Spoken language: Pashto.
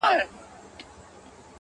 زړگى مي غواړي چي دي خپل كړمه زه ـ